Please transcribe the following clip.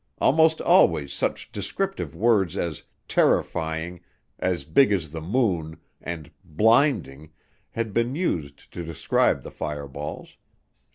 Almost always such descriptive words as "terrifying," "as big as the moon," and "blinding" had been used to describe the fireballs.